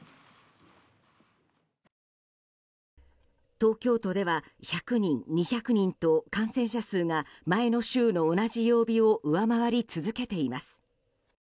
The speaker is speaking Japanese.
東京都では１００人、２００人と感染者数が前の週の同じ曜日を上回り続けています。